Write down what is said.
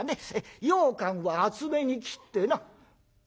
ようかんは厚めに切ってな」。